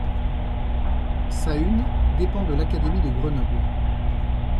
Sahune dépend de l'académie de Grenoble.